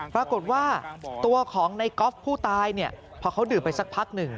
ปรากฏว่าตัวของในก๊อฟผู้ตายเนี่ยพอเขาดื่มไปสักพักหนึ่ง